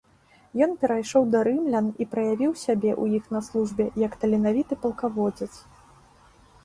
Ён перайшоў да рымлян і праявіў сябе ў іх на службе як таленавіты палкаводзец.